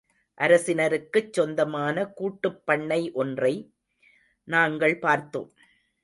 அரசினருக்குச் சொந்தமான கூட்டுப்பண்ணை ஒன்றை நாங்கள் பார்த்தோம்.